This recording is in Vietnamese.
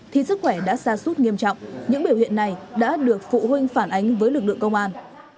thì sức khỏe đã xa suốt nghiêm trọng những biểu hiện này đã được phụ huynh phản ánh với lực lượng công an